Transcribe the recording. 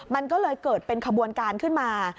มันก็เลยเกิดเป็นขบวนการขึ้นมา